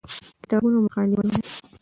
کتابونه او مقالې ولولئ.